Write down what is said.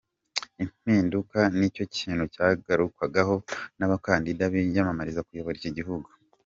Impinduka nicyo kintu cyagarukwagaho n’abakandida biyamamariza kuyobora iki gihugu.